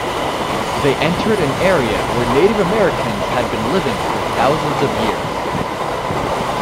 They entered an area where Native Americans had been living for thousands of years.